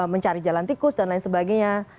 mencari jalan tikus dan lain sebagainya